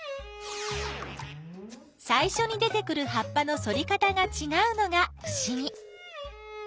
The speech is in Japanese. さいしょに出てくる葉っぱの反り方がちがうのがふしぎ。